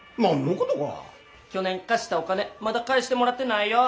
去年貸したお金まだ返してもらってないよ。